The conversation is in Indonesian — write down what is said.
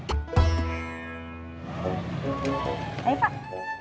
ibu mau ke warung